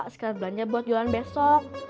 sket belanja buat jualan besok